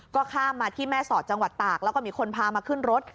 ก็ข้ามมาที่แม่สอดจังหวัดตากแล้วก็มีคนพามาขึ้นรถ